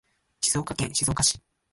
静岡県静岡市